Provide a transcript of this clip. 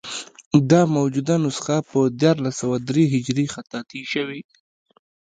دا موجوده نسخه په دیارلس سوه درې هجري خطاطي شوې.